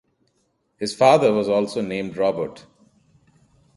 His father was also named Robert.